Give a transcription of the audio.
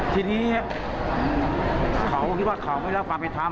ทีนี้เขาก็คิดว่าเขาไม่แล้วความไปทำ